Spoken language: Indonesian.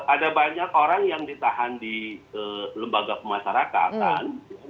ada banyak orang yang ditahan di lembaga pemasarakatan